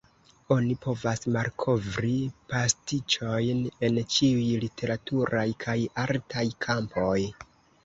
Oni povas malkovri pastiĉojn en ĉiuj literaturaj kaj artaj kampoj.